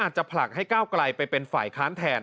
จะผลักให้ก้าวไกลไปเป็นฝ่ายค้านแทน